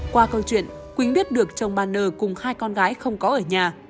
qua câu chuyện quýnh biết được chồng bà nờ cùng hai con gái không có ở nhà